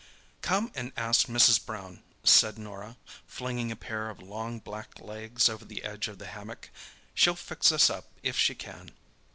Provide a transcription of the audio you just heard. "Come and ask Mrs. Brown," said Norah, flinging a pair of long black legs over the edge of the hammock. "She'll fix us up if she can."